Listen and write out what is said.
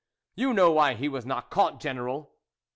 " You know why he was not caught, General."